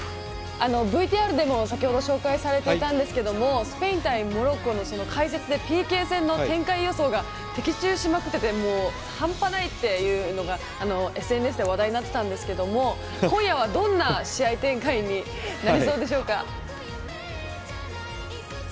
ＶＴＲでも先ほど紹介されていたんですがスペイン対モロッコの解説でＰＫ戦の展開予想が的中しまくっていて半端ないっていうのがＳＮＳで話題になっていたんですが今夜はどんな試合展開になりそうでしょうか？